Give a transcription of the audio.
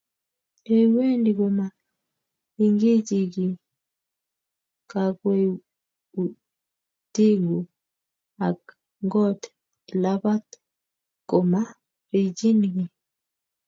Ye iwendi koma igiichi kiy kakwautiguk; ak ngot ilabati, koma riichin kiy.